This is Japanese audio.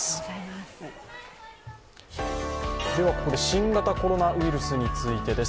ここで新型コロナウイルスについてです。